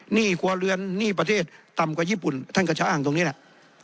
หนี้ครัวเรือนหนี้ประเทศต่ำกว่าญี่ปุ่นท่านก็จะอ้างตรงนี้แหละ